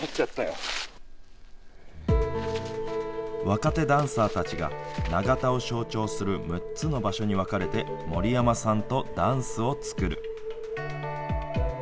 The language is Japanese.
若手ダンサーたちが長田を象徴する６つの場所に分かれて、森山さんとダンスを作る。